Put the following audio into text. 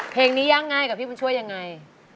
เพลงนี้ยากง่ายกับพี่บุญช่วยยังไง